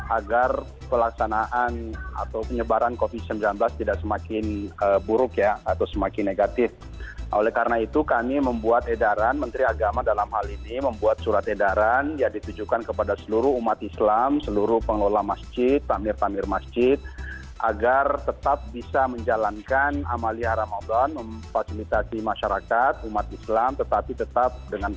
agar pelaksanaan atau penyebaran kondisi jambatan